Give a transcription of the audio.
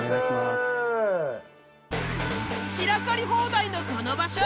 散らかり放題のこの場所。